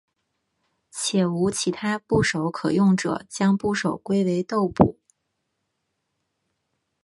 且无其他部首可用者将部首归为豆部。